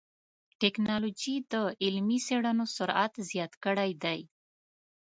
ټکنالوجي د علمي څېړنو سرعت زیات کړی دی.